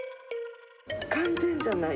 完全じゃない。